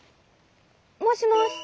もしもし。